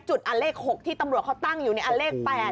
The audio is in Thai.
จุดอันเลข๖ที่ตำรวจเขาตั้งอยู่ในอันเลข๘